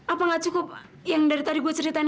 apa nggak cukup yang dari tadi gue ceritain